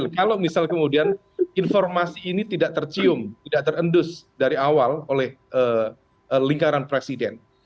kalau misal kemudian informasi ini tidak tercium tidak terendus dari awal oleh lingkaran presiden